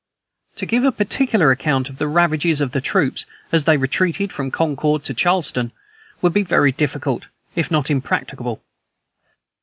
"To give a particular account of the ravages of the troops, as they retreated from Concord to Charlestown, would be very difficult, if not impracticable.